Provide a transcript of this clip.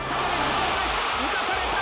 浮かされた。